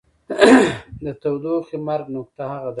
د تودوخې مرګ نقطه هغه درجه ده.